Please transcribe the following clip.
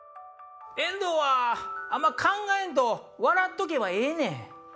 「遠藤はあんま考えんと笑っとけばええねん」。